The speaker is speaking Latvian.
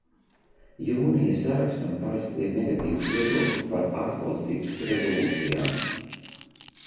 Jūnija sarakstam parasti ir negatīvs viedoklis par ārpolitikas rezolūcijām.